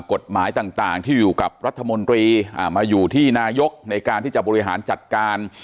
กฎหมายต่างที่อยู่กับรัฐมนตรีมาอยู่ที่นายกในการที่จะบริหารจัดการ